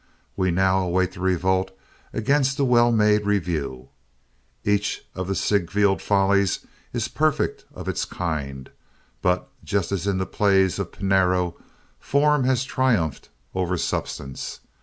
We now await the revolt against the well made revue. Each of the Ziegfeld Follies is perfect of its kind, but just as in the plays of Pinero, form has triumphed over substance.